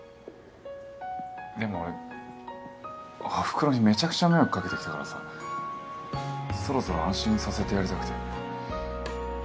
でも俺おふくろにめちゃくちゃ迷惑掛けてきたからさそろそろ安心させてやりたくて。